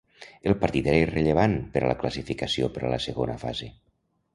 El partit era irrellevant per a la classificació per a la segona fase.